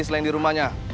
selain di rumahnya